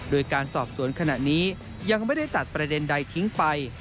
โดยการสอบสวนขณะนี้ยังไม่ได้ตัดประเด็นใดทิ้งไป